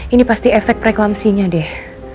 ini pasti efek preklamsinya deh